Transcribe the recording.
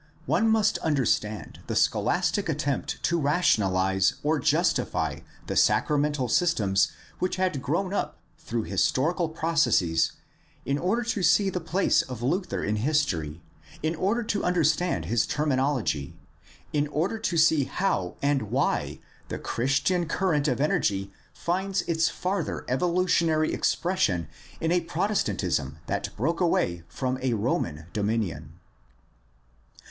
One must understand the scholastic attempt to rationalize or justify the sacramental systems which had grown up through historical processes in order to see the place of Luther in history, in order to understand his terminology, in order to see how and why the Christian current of energy finds its farther evolutionary expression in a Protestantism that broke away from the Roman dominion.